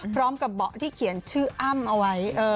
พร้อมกับเบาะที่เขียนชื่ออ้ำเอาไว้